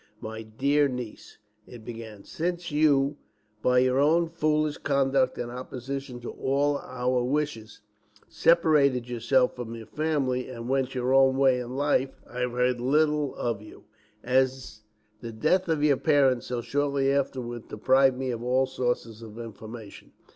"My dear Niece," it began, "Since you, by your own foolish conduct and opposition to all our wishes, separated yourself from your family, and went your own way in life, I have heard little of you, as the death of your parents so shortly afterwards deprived me of all sources of information.